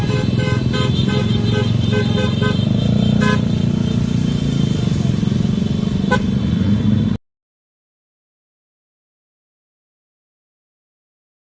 สุดท้ายสุดท้ายสุดท้ายสุดท้าย